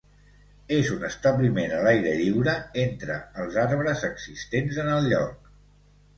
És un establiment a l'aire lliure, entre els arbres existents en el lloc.